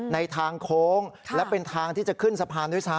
ในทางโค้งและเป็นทางที่จะขึ้นสะพานด้วยซ้